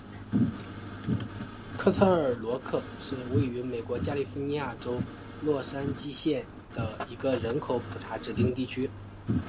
利特尔罗克是位于美国加利福尼亚州洛杉矶县的一个人口普查指定地区。